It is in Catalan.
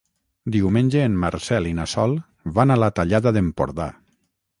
Diumenge en Marcel i na Sol van a la Tallada d'Empordà.